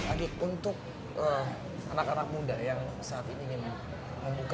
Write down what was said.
adik untuk anak anak muda yang saat ini ingin membuka